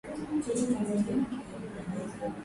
Ingawa ugonjwa huu unapatikana katika kaunti zote